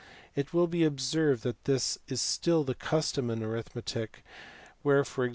It will be observed that this is still the custom in arithmetic, where e.g.